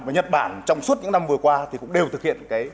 nhất bản trong suốt những năm vừa qua cũng đều thực hiện